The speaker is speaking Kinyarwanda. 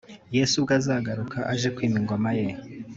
Yesu ubwo azagaruka, Aje kwima ingoma ye,